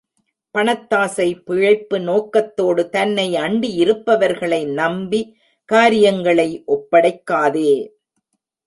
பணத்தாசை பிழைப்பு நோக்கத்தோடு தன்னை அண்டியிருப்பவர்களை நம்பி காரியங்களை ஒப்படைக்காதே!